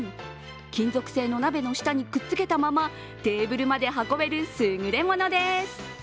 金属製の鍋の下にくっつけたままテーブルまで運べる優れものです。